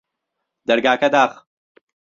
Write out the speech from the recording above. دەرگاکە داخە